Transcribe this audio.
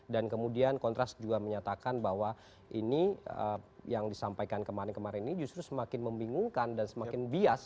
dan kemudian kontras juga menyatakan bahwa ini yang disampaikan kemarin kemarin ini justru semakin membingungkan dan semakin bias